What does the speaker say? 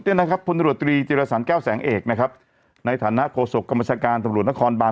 เนี่ยนะครับพรตรีแก้วแสงเอกนะครับในฐานะโศกกรรมชาการตำรวจนครบาล